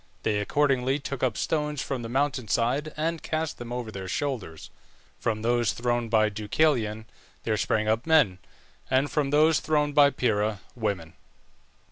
They accordingly took up stones from the mountain side and cast them over their shoulders. From those thrown by Deucalion there sprang up men, and from those thrown by Pyrrha, women.